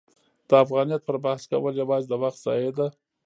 د افغانیت پر بحث کول یوازې د وخت ضایع ده.